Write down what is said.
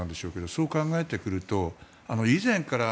そう考えてくると以前から。